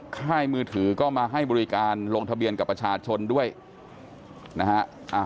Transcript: ค่ายมือถือก็มาให้บริการลงทะเบียนกับประชาชนด้วยนะฮะ